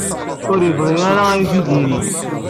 Ur yebɣi ara ad iy-t-id-yinni.